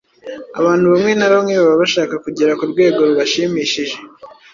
Abantu bamwe na bamwe baba bashaka kugera ku rwego rubashimishije,